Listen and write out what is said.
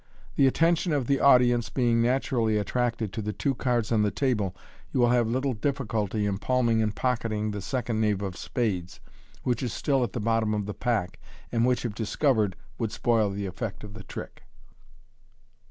The attention of the audience being natu rally attracted to the two cards on the table, you will have little diffi culty in palming and pocketing the second knave of spades, which is still at the bottom of the pack, and which, if discovered, would spoil the effect of the trick.